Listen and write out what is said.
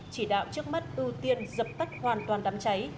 chỉ đạo trước mắt ưu tiên dập tắt hoàn toàn đám cháy